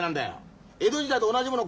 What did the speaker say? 江戸時代と同じもの